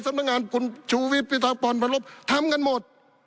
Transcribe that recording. สำนักงานคุณชูวิทย์พิทักษ์ปอนด์พระรบิทำกันหมด